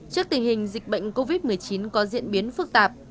trước tình hình dịch bệnh covid một mươi chín có diễn biến phức tạp